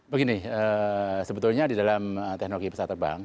begini sebetulnya di dalam teknologi pesawat terbang